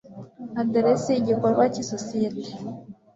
aderesi y igikorwa cy isosiyete